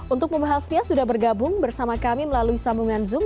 untuk membahasnya sudah bergabung bersama kami melalui sambungan zoom